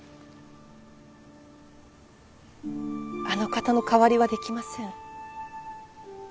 あの方の代わりはできません。